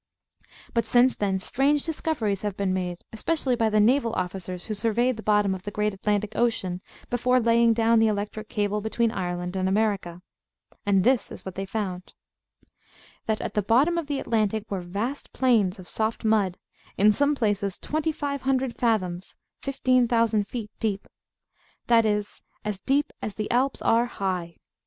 But since then strange discoveries have been made, especially by the naval officers who surveyed the bottom of the great Atlantic Ocean before laying down the electric cable between Ireland and America. And this is what they found: That at the bottom of the Atlantic were vast plains of soft mud, in some places 2500 fathoms (15,000 feet) deep; that is, as deep as the Alps are high.